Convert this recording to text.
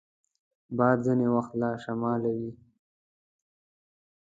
باد ځینې وخت له شماله وي